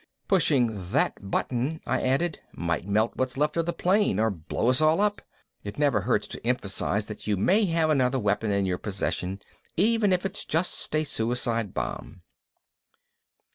"Pushing that button," I added, "might melt what's left of the plane, or blow us all up." It never hurts to emphasize that you may have another weapon in your possession, even if it's just a suicide bomb.